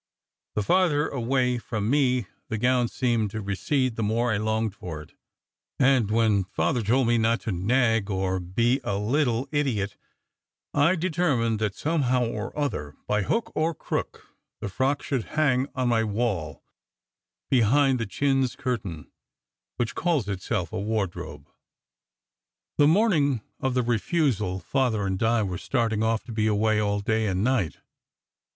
The farther away from me that gown seemed to recede, the more I longed for it; and when Father told me not to nag or be a little idiot, I determined that somehow or other, by hook or crook, the frock should hang on my wall behind the chintz curtain which calls itself a wardrobe. The morning of the refusal, Father and Di were starting off to be away all that day and night.